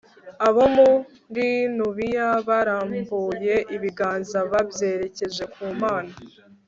abo muri nubiya barambuye ibiganza babyerekeje ku mana